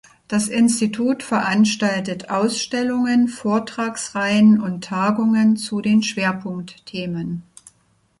Das Institut veranstaltet Ausstellungen, Vortragsreihen und Tagungen zu den Schwerpunktthemen.